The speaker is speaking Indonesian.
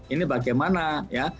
ini bagaimana ya